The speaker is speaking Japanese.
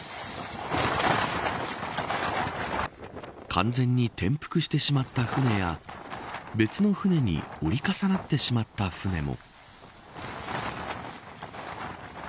完全に転覆してしまった船や別の船に折り重なってしまった船も。